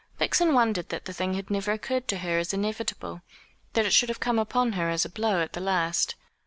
Vixen wondered that the thing had never occurred to her as inevitable that it should have come upon her as a blow at the last.